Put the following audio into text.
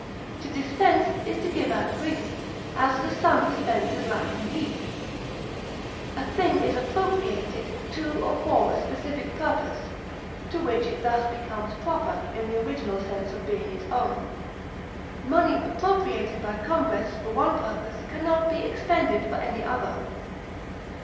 To dispense is to give out freely; as, the sun dispenses light and heat. A thing is appropriated to or for a specific purpose (to which it thus becomes proper, in the original sense of being its own); money appropriated by Congress for one purpose can not be expended for any other.